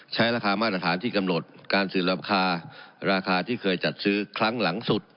ใช้ราคามาตรฐานที่กำหนดการสืบราคาราคาที่เคยจัดซื้อครั้งหลังสุด